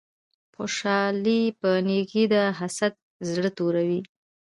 خوشحالی په نیکې کی ده حسد زړه توروی